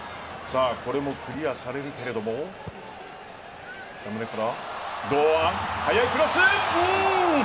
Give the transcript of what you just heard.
これもクリアされるけれども遠目から堂安、速いクロス！